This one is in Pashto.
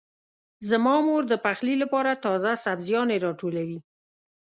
زما مور د پخلي لپاره تازه سبزيانې راټولوي.